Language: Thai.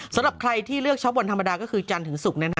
สำหรับใครที่เลือกช็อปวันธรรมดาก็คือจันทร์ถึงศุกร์